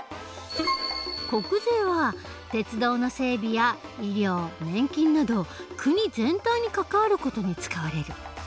国税は鉄道の整備や医療年金など国全体に関わる事に使われる。